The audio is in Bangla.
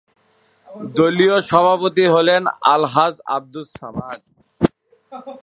দলীয় সভাপতি হলেন আলহাজ্ব আবদুস সামাদ।